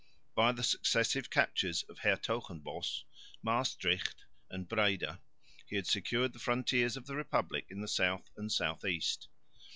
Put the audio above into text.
By the successive captures of Hertogenbosch, Maestricht and Breda he had secured the frontiers of the republic in the south and south east.